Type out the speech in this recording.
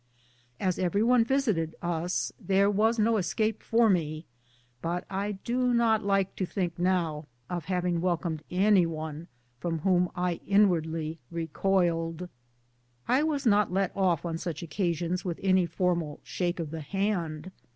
As every one visited us, there vras no escape for me, but I do not like to think now of having welcomed any one from whom I inwardly recoiled. I was not let off on such occasions with any formal shake of the hand.